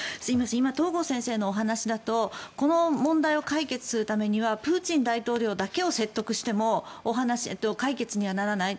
今、東郷先生のお話だとこの問題を解決するためにはプーチン大統領だけを説得しても解決にはならない。